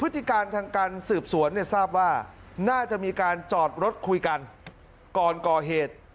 ติการทางการสืบสวนเนี่ยทราบว่าน่าจะมีการจอดรถคุยกันก่อนก่อเหตุ